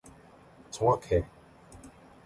정확해!